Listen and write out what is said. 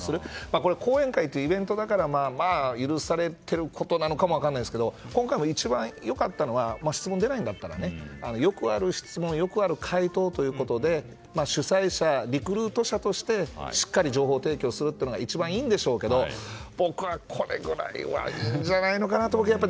これは講演会というイベントだからまあ、許されていることなのかも分からないですけど今回も一番良かったのは質問が出ないんだったらよくある質問よくある回答ということで主催者、リクルート社としてしっかり情報提供するというのが一番いいんでしょうけど僕はこれぐらいはいいんじゃないかなと。